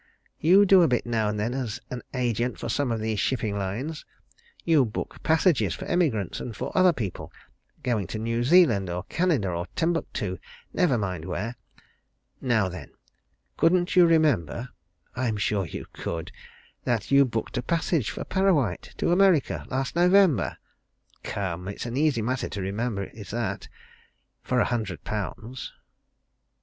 "You do a bit now and then as agent for some of these shipping lines. You book passages for emigrants and for other people, going to New Zealand or Canada or Timbuctoo never mind where. Now then couldn't you remember I'm sure you could that you booked a passage for Parrawhite to America last November? Come! It's an easy matter to remember is that for a hundred pounds."